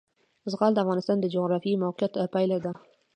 زغال د افغانستان د جغرافیایي موقیعت پایله ده.